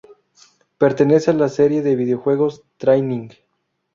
Pertenece a la serie de videojuegos Training.